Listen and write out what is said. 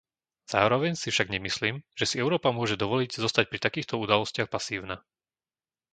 Zároveň si však nemyslím, že si Európa môže dovoliť zostať pri takýchto udalostiach pasívna.